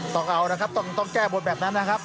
ต้องเอานะครับต้องแก้บนแบบนั้นนะครับ